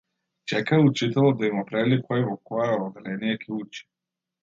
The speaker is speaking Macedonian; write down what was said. Чекаа учителот да им определи кој во кое одделение ќе учи.